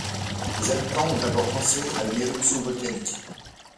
Les habitants ont d'abord pensé à une éruption volcanique.